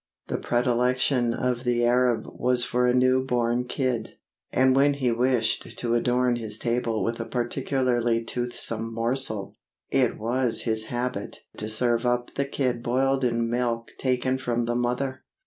The predilection of the Arab was for a new born kid; and when he wished to adorn his table with a particularly toothsome morsel, it was his habit to serve up the kid boiled in milk taken from the mother.